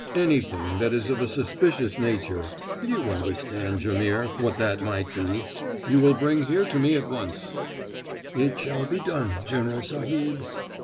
Anything that is of a suspicious nature you understand, Jaimihr, what that might be you will bring here to me at once." "It shall be done, General Sahib."